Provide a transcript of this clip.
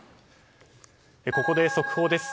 ここで速報です。